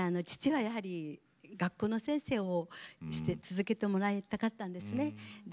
父はやっぱり学校の先生を続けてもらいたかったんですね。